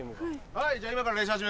はい。